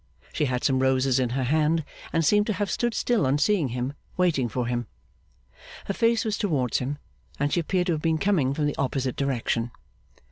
She had some roses in her hand, and seemed to have stood still on seeing him, waiting for him. Her face was towards him, and she appeared to have been coming from the opposite direction.